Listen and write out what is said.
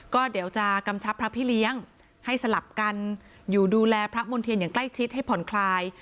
ก็เดี๋ยวจะกำชับพระพี่เลี้ยงให้สลับกันอยู่ดูแลพระมณ์เทียนอย่างใกล้ชิดให้ผ่อนคลาย